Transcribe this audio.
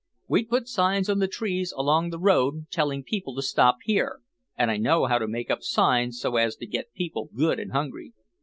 We'd put signs on the trees along the road telling people to stop here and I know how to make up signs so as to get people good and hungry.